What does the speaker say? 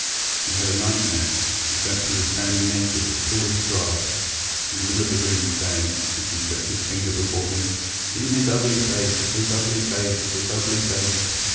He had a nightmare. He dreamt he was standing naked, as tall as a giraffe, in the middle of the room, and saying, as he flicked his finger before him: "In his ugly face! his ugly face! his ugly face!"